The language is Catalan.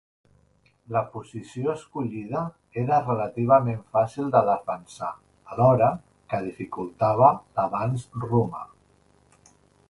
La posició escollida era relativament fàcil de defensar alhora que dificultava l'avanç romà.